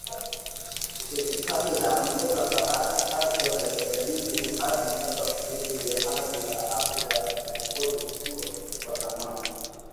Serikali ya Angola bado haijajibu hadi sasa kuhusu ya hali ya afya ya kiongozi huyo wa zamani